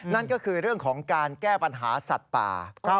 นั่นก็คือเรื่องของการแก้ปัญหาสัตว์ป่า